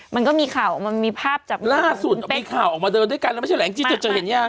มันก็มีข่าวออกมามีภาพจากล่าสุดมีข่าวออกมาเดินด้วยกันแล้วไม่ใช่แหลงจี้เธอจะเห็นยัง